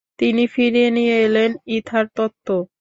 তিনি ফিরিয়ে নিয়ে এলেন ইথার তত্ত্ব।